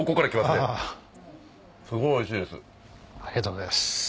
ありがとうございます。